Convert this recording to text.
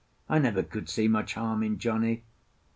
I never could see much harm in Johnny."